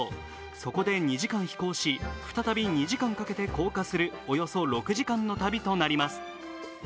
そこで２時間飛行し、再び２時間かけて降下するおよそ６時間の旅となります。